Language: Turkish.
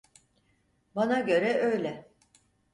Bana göre öyle.